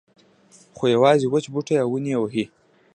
خو یوازې وچ بوټي او ونې یې وهي.